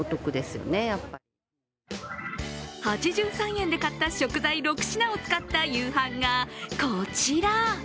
８３円で買った食材６品を使った夕飯がこちら。